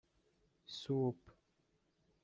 سوپ